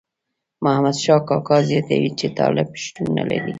محمد شاه کاکا زیاتوي چې طالب شتون نه لري.